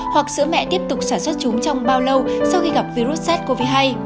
hoặc sữa mẹ tiếp tục sản xuất chúng trong bao lâu sau khi gặp virus sars cov hai